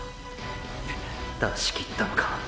出し切ったのか御堂筋。